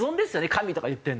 「神」とか言ってるのは。